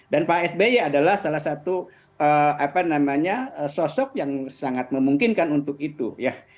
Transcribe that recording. dan pak sby adalah salah satu sosok yang sangat memungkinkan untuk itu ya